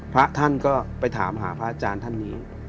พระท่านก็ไปถามหาพระอาจารย์ท่านนี้